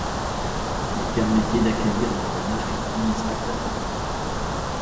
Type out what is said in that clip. Il permettaient d'accueillir entre neuf et dix mille spectateurs.